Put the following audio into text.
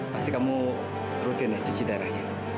pasti kamu rutin ya cuci darahnya